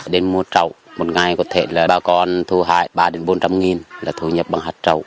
đến mua trầu một ngày có thể là ba con thu hại ba bốn trăm linh nghìn là thu nhập bằng hạt trầu